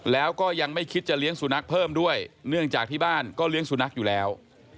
แล้วก็ยังไม่คิดจะเลี้ยงสุนัขเพิ่มด้วยเนื่องจากที่บ้านก็เลี้ยงสุนัขอยู่แล้ว